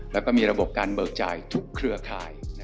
แล้วก็มีระบบการเบิกจ่ายทุกเครือข่าย